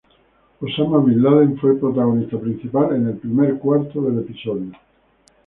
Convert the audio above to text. Osama bin Laden fue el protagonista principal en el primer cuarto del episodio.